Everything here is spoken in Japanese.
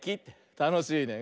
たのしいね。